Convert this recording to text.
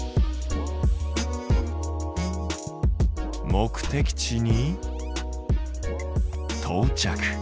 目的地にとうちゃく。